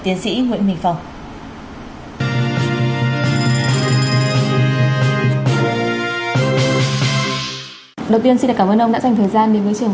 tiến sĩ nguyễn mình phòng nội dung trong vấn đề chính sách ngày hôm nay với những phân tích từ chuyên gia kinh tế tiến sĩ nguyễn mình phòng